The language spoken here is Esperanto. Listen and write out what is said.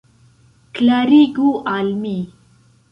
Klarigu al mi.